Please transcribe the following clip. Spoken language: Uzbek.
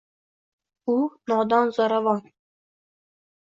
Bu — nodon zo’ravon!